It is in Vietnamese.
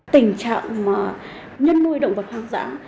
tình trạng mà nhân nuôi động vật hoang dã